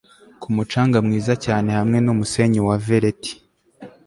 ku mucanga mwiza cyane hamwe n'umusenyi wa veleti